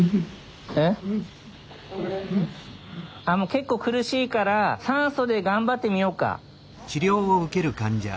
結構苦しいから酸素で頑張ってみようか。